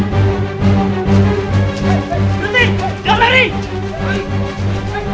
kamu kesana saya kesana